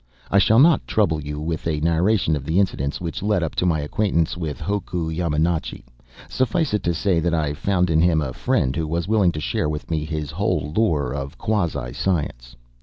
I shall not trouble you with a narration of the incidents which led up to my acquaintance with Hoku Yamanochi. Suffice it to say that I found in him a friend who was willing to share with me his whole lore of quasi science.